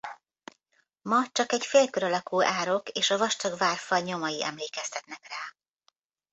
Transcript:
Ma csak egy félkör alakú árok és a vastag várfal nyomai emlékeztetnek rá.